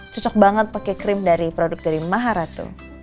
cocok banget pakai krim dari produk dari maharatu